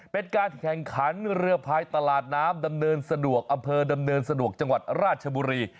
เป็นการแข่งขันเรือพายตลาดน้ำดำเนินสะดวกอำเภอดำเนินสะดวกจังหวัดราชบุรี